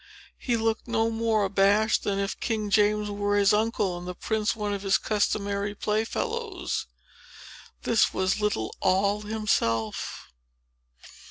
He looked no more abashed than if King James were his uncle, and the prince one of his customary playfellows. This was little Noll himself.